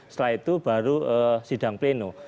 setelah itu baru sidang pleno